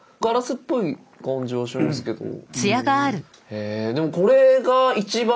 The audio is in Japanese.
へえでもこれが一番